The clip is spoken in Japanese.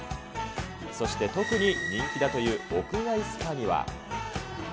そして特に人気だという屋外スパには。